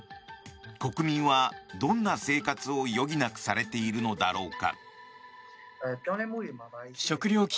国民は、どんな生活を余儀なくされているのだろうか。